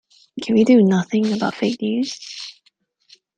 Can we do nothing about fake news?